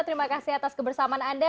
terima kasih atas kebersamaan anda